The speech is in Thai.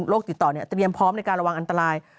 ติดต่อเตรียมพร้อมในการระวังอันตราย